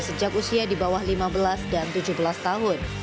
sejak usia di bawah lima belas dan tujuh belas tahun